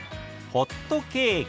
ホットケーキ。